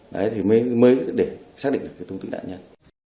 đấy thì mới để xác định được cái tung tích nạn nhân